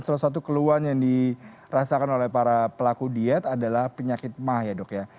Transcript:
salah satu keluhan yang dirasakan oleh para pelaku diet adalah penyakit mah ya dok ya